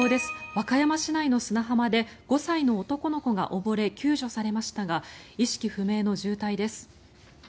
和歌山市内の砂浜で５歳の男の子が溺れ救助されましたが意識不明の重体です。